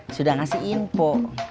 sudah ngasih info